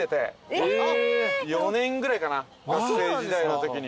４年ぐらいかな学生時代のときに。